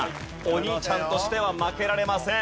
お兄ちゃんとしては負けられません。